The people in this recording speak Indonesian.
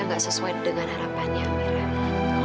tidak sesuai dengan harapannya amira